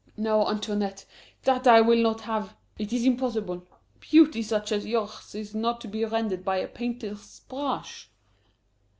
"No, Antoinette, that I will not have. It is impossible. Beauty such as yours in not to be rendered by a painter's brush!"